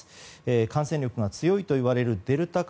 感染力が強いといわれるデルタ株。